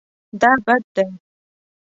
دا بد دی